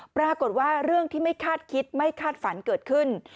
ปรากฏว่าเรื่องที่ไม่คาดคิดไม่คาดฝันเกิดขึ้น